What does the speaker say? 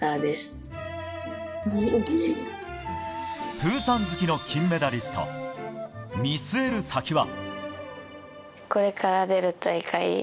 プーさん好きの金メダリスト見据える先は。